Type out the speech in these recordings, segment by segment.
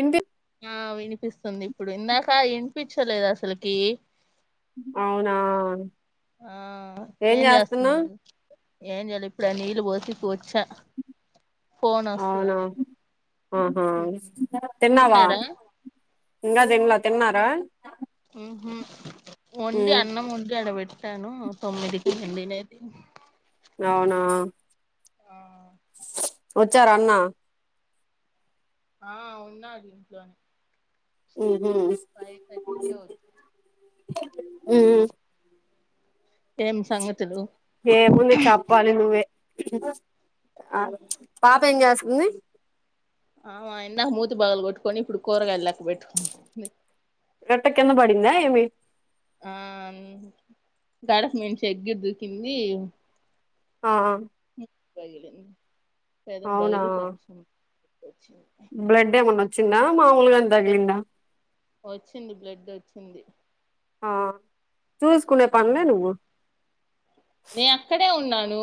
Intake ఆ వినిపిస్తుంది ఇప్పుడు ఇందాకా ఇనిపించలేదు అసల్కీ అవునా ఆ ఏం చేస్తున్నారు ఏం చేయలే ఇప్పుడె నీళ్ళు పోసి వచ్చా ఫోన్ అవునా వస్తుందని ఆహా ఉహు. తిన్నారా ఇంగ తిన్లా తిన్నారా ఉహు వొండి ఉమ్ అన్నం వొండి ఆడబెట్టానూ తొమ్మిదికి మేం తినేది అవునా ఆ వచ్చార అన్నా ఆ ఉన్నార్ ఇంట్లోనే ఊహు ఫైవ్ థర్టీ కె ఒచ్ ఊ ఏం సంగతులు ఏముంది చెప్పాలి నువ్వే ఆ పాప ఏం చేస్తుంది ఆమా ఇందాక మూతి పగల కొట్టుకొని ఇప్పుడు కూరగాయలు లెక్క పెట్టుకుంట్ ఎట్ట కింద పడిందా ఏమి ఆ గడప నుంచి ఎక్కి దూకింది ఆ ముక్ పగిలింది పెదం అవునా బగిలి కొంచెం వచ్చింది బ్లెడ్ ఏమన్న వచ్చిందా మామూలుగానె తగిలిందా వచ్చింది బ్లడ్ వచ్చింది ఆ చూసుకునే ఆ పన్లె నువ్వు నే అక్కడే ఉన్నానూ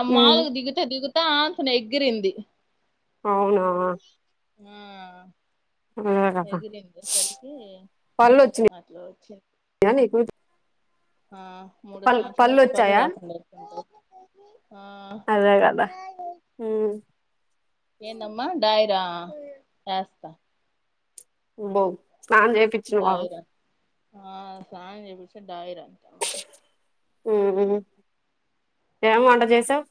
ఆమ్ ఉమ్ మామూల్గా దిగుతా దిగుతా ఆంతను ఎగిరింది అవునా ఊ అదే కదా ఎగిరండె సరికీ అట్ల వచ్చింది ఫ్యాన్ ఎయ్ పో ఆ మూడు సంవత్సరం అయితే పళ్ళు రాలుతుండే ఆ అదే కదా ఊ ఏందమ్మ డాయరా ఏస్త [unintelligible] డైరా ఆ [unintelligible] డైర [unintelligible] హు ఏమో [unintelligible] చేసావ్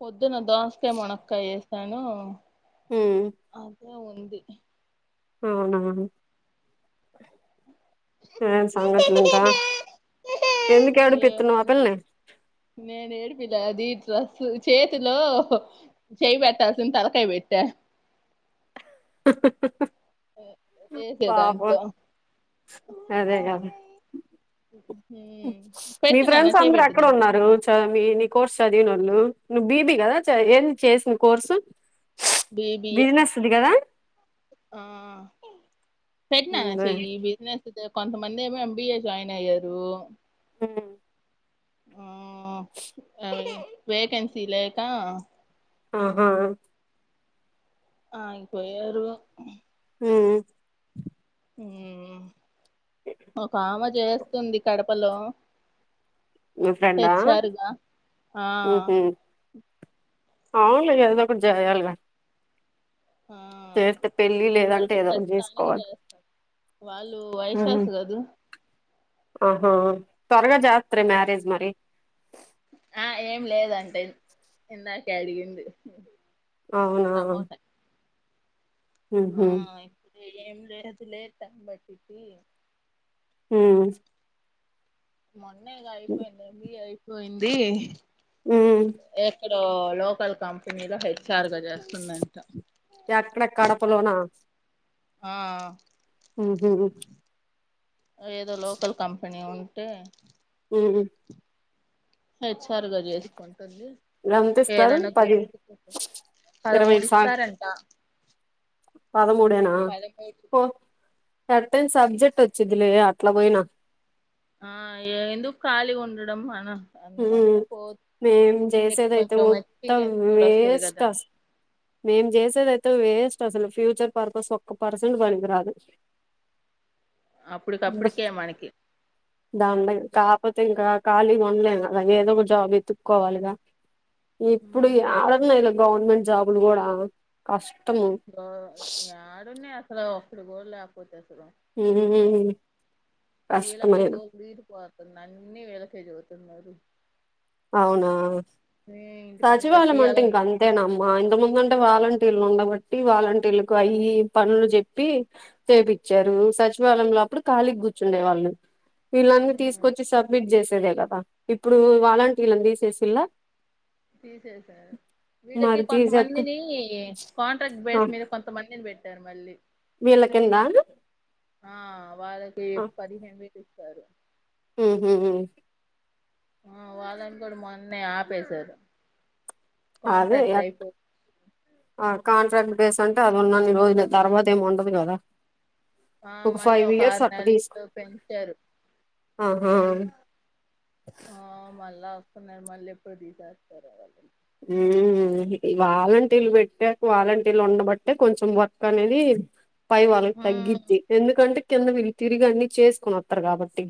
పొద్దున్న దోసకాయ్ మనక్కయ్య చేేసాను ఉమ్ [unintelligible] ఉంది అవున ఆ సాంగతులింక ఎందుకు ఎం ఏడిపిత్తున్నావ్ ఉంది నేను ఏడిపిల అది డ్రస్సు చేతిలో చేయి పెట్టాల్సింది తలకాయ్ పెట్ట వేసే పాపం దాంట్లో అదే గద మీ పెట్టినాన్న ఫ్రెండ్స్ చేయి అందరు పెట్టు ఎక్కడ దీంట్లో ఉన్నారు చ మీ కోర్స్ చదివినొళ్ళు నువ్వు బీబి కదా ఏం చేసింది కోర్సు బీబీఏ బిజినెస్ ఉంది కదా ఆ పెట్నన ఉందే. చేయి [unintelligible] కొంతమంది ఏమో ఎంబిఏ జాయిన్ అయ్యారు ఉ ఆ వేకెన్సీ లేక ఆహా ఆగిపోయారు ఉమ్ ఒక ఆమె చేస్తుంది కడపలో మీ ఫ్రెండా తెచ్చారుగ ఆ ఉహు అవునులే ఏదో ఒకటి జేయాలిగా పెళ్ళి లేదంటే ఏదో ఒకటి చేసుకోవాలి [unintelligible] వాళ్ళు ఉమ్ వైశాసు కదు ఆహా త్వరగ జ ఆ ఆ ఏం లేదంటే ఇందాకే అడిగింది అవునా టమోటా ఉహు ఆ ఇప్పుడు ఏం లేదులే టైమ్ పట్టుది ఉ మొన్నెగా అయిపోయింది లీవ్ అయిపోయింది ఉమ్ లోకల్ కంపెనీ హెచ్ఆర్గ చేస్తుందంట యక్కడ కడపలోన ఆ ఉహు ఏదో లోకల్ కంపెనీ ఉంటే ఉ హెచ్ఆర్గా చేసుకుంటుంది ఎంతిస్తారు ఏదన్నా పది [unintelligible] ఇరవై పదమూడు ఐదు సా ఇస్తారంట పదమూడేనా పదమూడు ఎన్ సబ్జెక్ట్ వచ్చిదిలే అట్ల పోయినా ఆ ఎందు కాళి ఉండడం మన అందుకని హ్మ్ పోతు మేం ఎక్ జెసేదైతే కొంచెం మొత్తం ఎక్స్పీరియన్స్ కూడా వస్తది వేస్ట్ కదా అస్ మేం జెసేదైతే వేస్ట్ అసలు ఫ్యూచర్ పర్పస్ ఒక్క పర్సెంట్ పనికి రాదు అప్పుడ్కపుడికే మనకి [unintelligible] కాకపోతే ఇంకా ఖాళీ గుండ్లేను అలా ఏదో ఒక జాబ్ ఎత్తుక్కోవాలిగా ఇప్పుడు ఉమ్ యడున్నయ్ గవర్నమెంట్ జాబుల్ గూడా [unintelligible] యడున్నయ్ అసలు ఒక్కట్ గూడ్ లేక్పోతే అసలు [inaudible] వీళ్ళకే కష్టమైన దోప్ దీర్ పోతున్నయ్ అన్ని వీళ్ళకే చెబుతున్నారు అవునా ఏ ఇంటి పని సచివాలయం అంటే కట్టియాలని ఇంకా అంతేనమ్మా ఇంతకు ముందంటే వాలంట్రీలు ఉండబట్టి వాలంట్రీలకు అయిఇయి పనులు జెప్పి చేపిచ్చారు సచివాలయంలో అప్పుడు ఖాళీగ్ కూర్చుండే వాళ్ళు వీళ్ళన్నీ తీస్కొచ్చి సబ్మిట్ చేసేదే గదా ఇప్పుడు వాలంట్రీలన్ తీసేసిన్ల తీసెసారు వీళ్ళకి తీసేత్తే కొంతమందిని కాంట్రాక్ట్ ఆ బేస్ మీద్ కొంతమందిన్ బెట్టార్ మళ్ళీ వీళ్ళ కింద ఆ వాళ్ళకి పదిహేన్ వేల్ ఇస్తారు హ్మ్ హు హు ఆ వాళ్ళన్ గూడ్ మొన్నే ఆపేశారు అదే కాంట్రాక్ట్ ఎట్ అయిపో ఆ కాంట్రాక్ట్ బేస్ అంటే అది ఉన్నన్ని రోజులె తర్వాత ఏమ్ ఉండదు గదా ఆ మళ్ళీ ఒక తీసుకు అర్నేళ్లు పెంచార్ ఆహా ఆ మళ్ళా అస్తున్నారు మలెప్పుడు తీషేస్తారో వాళు హ్మ్ ఈ వాలంట్రిలు పెట్టాకు వాలంట్రీలు ఉండబట్టే కొంచెం వర్క్ అనేది పై వాళ్ళక్ మ్మ్ తగ్గిచ్చి ఎందుకంటే కింద వీళ్ తిరిగన్ని చేస్కొని ఆతరు కాబట్టి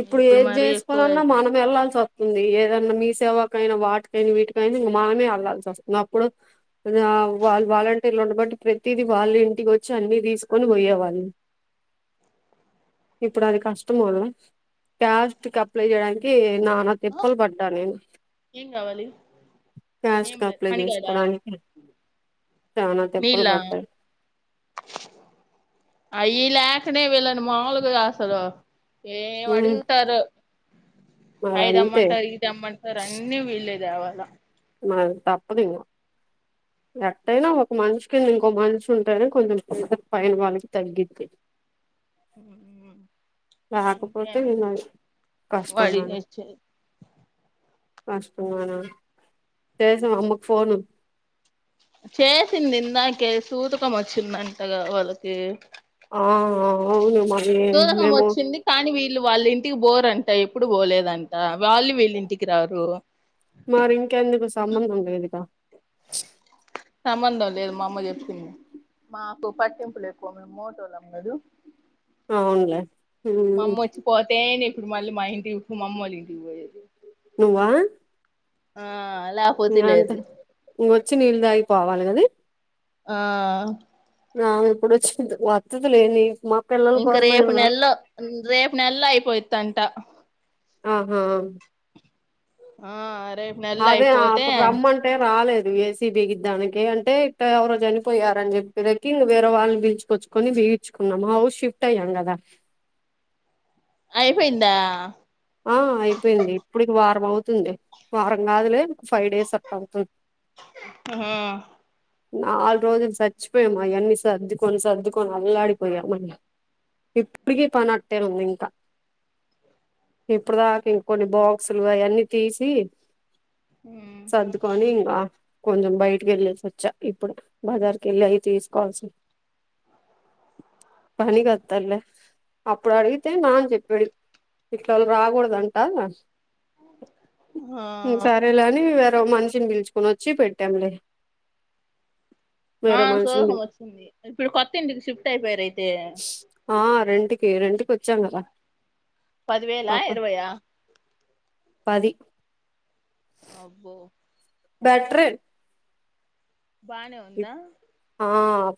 ఇప్పుడు ఏద్ మరీ ఎక్కువ జెస్కోవాలన్నా మనం అయిపోయింది వెళ్లాల్సి వస్ వుంది ఏదన్నా మీ సేవకైనా వాట్కైనా వీటికైనా ఇంగ మనమే అళ్లాల్సి వస్తుంది అప్పుడు ఆదా వాళ్ వాలంటీర్లు ఉండబట్టి ప్రతిది వాళ్లే ఇంటికొచ్చి అన్ని తీసుకొని పోయేవాళ్లు ఇప్పుడు అది కష్టం కదా క్యాస్ట్క్ అప్లై చేయడానికి నాన తిప్పలు పడ్డా నేన్ ఏం గావాలి ఏం క్యాస్ట్ కి లే అప్లై [unintelligible] చేసుకోవడానికి చానా దెబ్బలు మీళ్లా పడతాయి అయి లేకనే వీళ్లను మాముల్గ అసలు ఏం ఉమ్, అడుగుతారో మరి అయ్ అంతే దెమన్టర్ ఇద్ దెమన్టర్ అన్ని వీలే దేవాలా మర్ తప్పదింగా ఎటైనా ఒక్ మన్ష్ కింద ఇంకో మన్ష్ ఉంటేనే కొంచెం పైన వాళ్ళకి తగ్గిద్ది లేకపోతే ఇంకేమి ఇంగ కష్టం వాడి గదా చే [unintelligible] చేసావ అమ్మక్ ఫోను చేసింది ఇందాకే సూతకం వచ్చిందంటగా వాళ్ళకి ఆ అవును మరి సూదకం మేము వచ్చింది కానీ వీళ్ళు వాళ్ళ ఇంటికి పోరుంట ఎప్పుడు పోలేదంట వాళ్ళు వీళ్ళ ఇంటికి రారు మరి ఇంకెందుకు సంబంధం లేదుగా సంబంధం లేదు మా అమ్మ చెప్తుంది మాకు పట్టెంపు లేక్కువ మేము మోటోలం కదు అవునులే పోతేను ఇప్పుడు మళ్ళీ మా ఇంటి మామ్మోల్ ఇంటికి పోయది నువ్వ ఆలా అంత ఇంకొచ్చి నీళ్ళు తాగిపోవాలి కదే ఆ నా ఇప్పుడు వచ్చింది వతదిలే నీకు మ ఇంకా రేపు నెలలో రేపు నెలలో అయిపోయిదంట ఆహా ఆ రే అదే అప్పుడు రమ్మం తే రాలేదు ఏసీబిగీద్దానికి అంటే ఇట్ట ఎవరో చనిపోయరు అని చెప్పికి రకిల్ వేరే వాళ్ళని పిలుచుకచ్చు కొని బీగిచుకున్నం హౌస్ షిఫ్ట్ అయ్యాం కదా అయిపోయిందా ఆ అయిపోయింది ఇప్పుటికి వారం అవుతుంది వారం కాదులే ఫైవ్ డేస్ అట్ట అవుతుంది హ నాలుగు రోజులు చచ్చిపోయాము అయన్నీ సర్దుకొని సర్దుకొని అల్లాడిపోయా మన ఇప్పుటికి పని అట్టేలా ఉంది ఇంకా ఇప్పుడు దాకా ఇంకొన్ని బాక్సులు అవన్నీ తీసి సదుకోని ఇంగ కొంచెం బయటకి వెళ్ళేసి వచ్చా ఇప్పుడు బజార్కి వెళ్ళి అయి తీసుకోవాల్సి పని కస్తలే అప్పుడు అడిగితే నాన చెప్పాడు ఇట్ల అల్లు రాకూడదంట ఆ సరేలేని మనిషిని పిలుచుకుని వచ్చి పెట్టాంలే ఆ వేరే మనిషిని సూదకం వచ్చింది ఇప్పుడు కొత్త ఇంటికి షిఫ్ట్ అయిపోయారు అయితే ఆ రెంటికి రెంటికీ వచ్చాం కదా పదివేలా అప్పుడు ఇరవైయ పది అబ్బో బెట్రర్ బానే ఉందా ఆ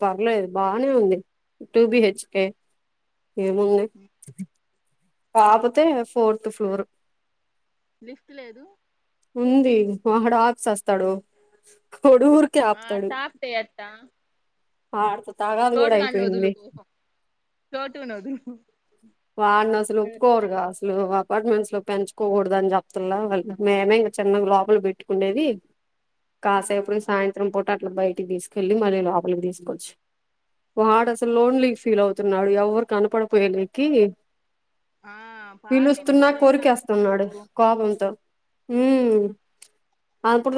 పర్లేదు బానే ఉంది టూ బిహెచ్కే ఏముంది కాపోతే ఫోర్త్ ఫ్లోరు లిఫ్ట్ లేదు ఉంది ఆడ ఆక్స్ వస్తాడు ఒడు ఊరికే ఆ ఆపుతాడు టాప్ ఎట్టా ఆడితో తాగాద కూడా అయిపోయింది చోటు ఉనదు వాడినీ అసలు ఒప్పుకోరుగా అసలు అపార్ట్మెంట్స్ లో పెంచుకోకూడదు అని చెప్తుల వాళ్ళ మేమే ఇగ చిన్న లోపల పెట్టుకుండేది ఆ కాసేపుడు సాయంత్రం పూట అట్లా బయటికి తీసుకెళ్ళలి మళ్ళీ లోపలికి తీసుకోవచ్చు వాడు అసలు లోన్లీ ఫీల్ అవుతున్నాడు ఎవరు కనపడిపోయాలి కి ఆ పాత పిలుస్తున్నా ఇంటికాడైతే అందరూ కోరికేస్తున్నాడు కోపంతో ఉ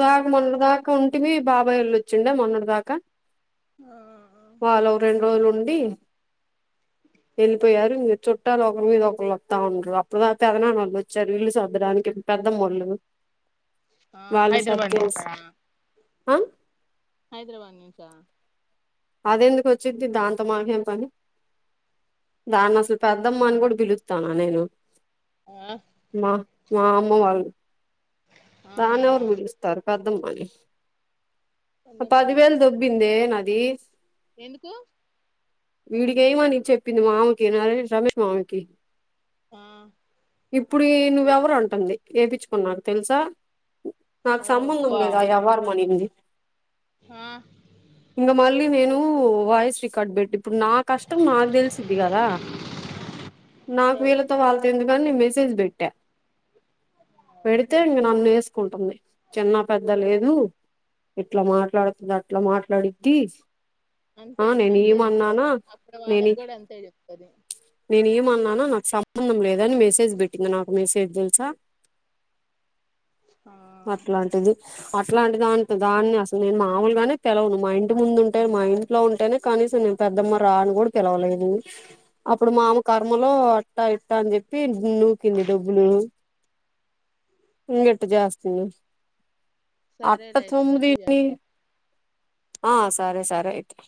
ఎవరో ఒక మొన్నటి అన్- దాక్ ఇ ఒంటిమి బాబాయల్ళు వచ్చిండే మొన్నటి దాకా ఆ వాళ ఒక రెండు రోజులు ఉండి వెళ్ళిపోయారు మీరు చుట్టాలు ఒకరి మీద ఒకళ్రుు వస్తా ఉండరు అప్పుడుా పెదనా నళ్ళు వచ్చారు ఇల్లు సద్దడానికి పెద్ద మళ్ళు ఆ, వాళ్ళు హైదరాబాద్ సర్దేసి నుంచా హ హైదరాబాద్ నుంచ అది ఎందుకు వచ్చింది దాంతో మాకేం పని ఆ దాన్ని అసలు పెద్ద కద్దమ్మా అని కూడా పిలుస్తానా నేను ఆ, మా మా అమ్మ వాళ్ళ ఆహా తానేవరు పిలుస్త్ తరుకద్దమ్మని కొండేపల్లిలో పదివేలు పె- దొబ్బిందే నాది ఎందుకు వీడికెమని చెప్పింది మామకి నరే రమేష్ మామకి హ ఇప్పుడు నువ్వెవరు అంటుంది వేపించుకున్నాక తెలుసా నాకు సంబంధం ఓయబ్బా లేదు ఆ ఎవ్వరం మనింది హా ఇంకా మళ్ళీ నేను వాయస్ కట్బెట్టి ఇప్పుడు నా కష్టం నాకు తెలిసిద్ది కదా నాకు అంతేగా వీళ్ళతో వాళ్ళతో ఎందుకు అని నేన్ మెసేజ్ పెట్టా పెడితే ఇంక నన్ను వేసుకుంటుంది చిన్న పెద్ద లేదు ఇట్లా మాట్లాడుతుంది అట్లా మాట్లాడిద్ది ఆ అంతే నేను అంతే చెప్ది ఏమన్నానా అక్కడ నేను వాళ్ళకి కూడా అంతే చెప్తది నేను ఏమన్నానో నాకు సంబంధం లేదని మెసేజ్ పెట్టింది నాకు మెసేజ్ తెలుసా ఆ అట్లాంటిది అట్లా అంటి దానితో దాన్ని అసలు నేను మామూలుగానే తెలవను మా ఇంటి ముందుం అంటే మా ఇంట్లో ఉంటేనే కనీసం నేను పెద్దమ్మ రాని కూడా పిలవలేదు అప్పుడు మామ కర్మలో అట్టా ఇట్ట అని చెప్పి నూకింది డబ్బులు ఇంగిట్ జేస్తుంది అట్ట సరేలే అయితే మళ్ళీ సోముదీన్ చేస్తా ఆ సరే సరే అయితే